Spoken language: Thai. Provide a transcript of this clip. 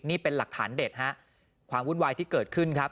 นี่เป็นหลักฐานเด็ดฮะความวุ่นวายที่เกิดขึ้นครับ